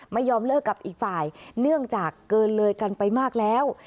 ไม่ยอมเลิกกับอีกฝ่ายเนื่องจากเกินเลยกันไปมากแล้ว